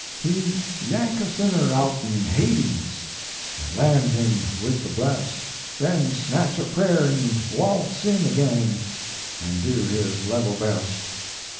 He d yank a sinner outen (Hades),* And land him with the blest; Then snatch a prayer n waltz in again, And do his level best.